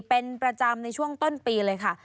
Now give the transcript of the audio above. เป็นประจำในช่วงต้นปีเลยค่ะ